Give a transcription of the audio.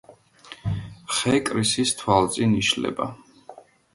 ხე კრისის თვალწინ იშლება.